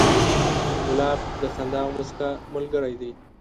ګلاب د خندا او موسکا ملګری دی.